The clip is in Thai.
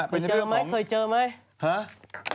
เป็นเรื่องของเคยเจอไหมเคยเจอไหม